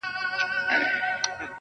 په نري تار مي تړلې یارانه ده!.